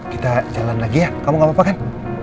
kita jalan lagi ya kamu gak apa apa kan